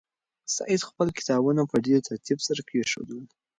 سعید خپل کتابونه په ډېر ترتیب سره کېښودل.